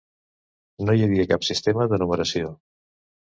No hi havia cap sistema de numeració.